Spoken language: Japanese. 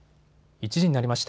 １時になりました。